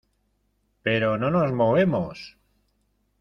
pero no nos movemos.